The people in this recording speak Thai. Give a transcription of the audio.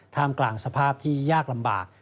กลางสภาพที่ยากลำบาก